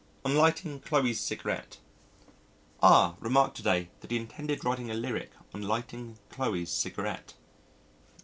On Lighting Chloe's Cigarette R remarked to day that he intended writing a lyric on lighting Chloe's cigarette.